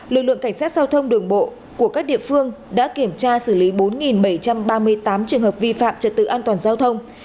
lực lượng cảnh sát giao thông đường bộ của các địa phương đã kiểm tra xử lý bốn bảy trăm ba mươi tám trường hợp vi phạm trật tự an toàn giao thông